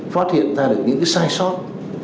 phát hiện ra được những sai sót